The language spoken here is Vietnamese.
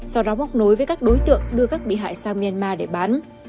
sau đó bốc nối với các đối tượng đưa các bị hại sang myanmar để bán